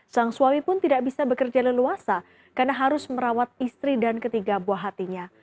sang suami pun tidak bisa bekerja leluasa karena harus merawat istri dan ketiga buah hatinya